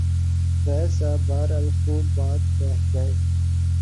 فیض صاحب بہرحال خوب بات کہہ گئے۔